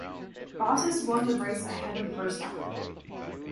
Bottas won the race ahead of Verstappen.